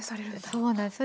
そうなんです。